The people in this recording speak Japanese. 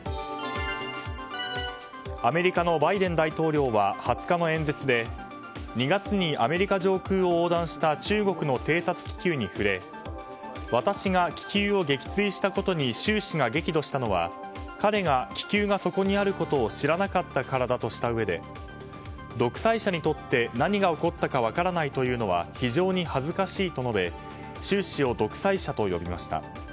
アメリカのバイデン大統領は２０日の演説で２月にアメリカ上空を横断した中国の偵察気球に触れ私が気球を撃墜したことに習氏が激怒したのは彼が気球にそこにあることを知らなかったからだとしたうえで独裁者にとって何が起こったか分からないというのは非常に恥ずかしいと述べ習氏を独裁者と呼びました。